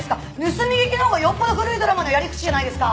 盗み聞きのほうがよっぽど古いドラマのやり口じゃないですか！